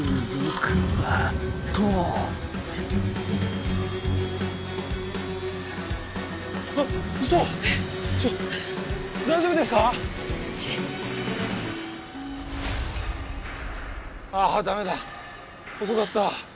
遅かった。